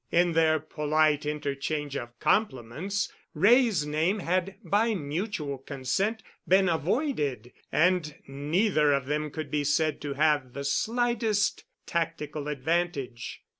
In their polite interchange of compliments Wray's name had by mutual consent been avoided, and neither of them could be said to have the slightest tactical advantage.